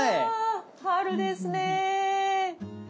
あ春ですね。